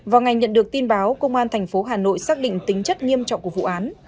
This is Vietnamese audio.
vào ngày nhận được tin báo công an thành phố hà nội xác định tính chất nghiêm trọng của vụ án